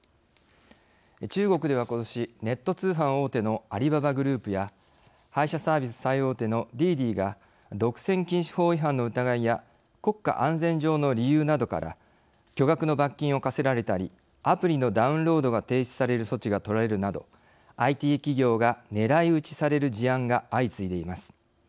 中国ではことしネット通販大手のアリババグループや配車サービス最大手のディディが独占禁止法違反の疑いや国家安全上の理由などから巨額の罰金を科せられたりアプリのダウンロードが停止される措置がとられるなどＩＴ企業が狙い撃ちされる事案が相次いでいます。